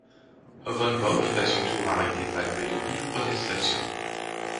Von Bock est à son tour arrêté malgré de vives protestations.